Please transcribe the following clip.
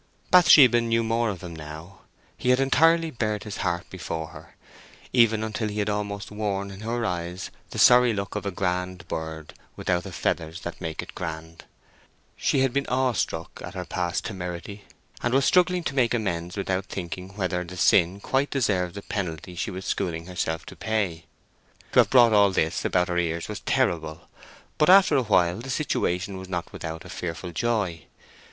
Bathsheba knew more of him now; he had entirely bared his heart before her, even until he had almost worn in her eyes the sorry look of a grand bird without the feathers that make it grand. She had been awe struck at her past temerity, and was struggling to make amends without thinking whether the sin quite deserved the penalty she was schooling herself to pay. To have brought all this about her ears was terrible; but after a while the situation was not without a fearful joy.